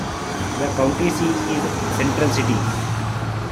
The county seat is Central City.